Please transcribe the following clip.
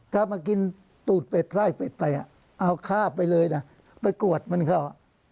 ถ้ามากินตูดเป็ดไส้เป็ดไปเอาข้าบไปเลยนะไปกวดมันเข้า